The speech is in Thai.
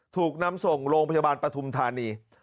ถูกนำส่งโรงพยาบาลปฐุมธานี